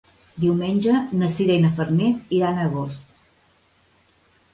Diumenge na Sira i na Farners iran a Agost.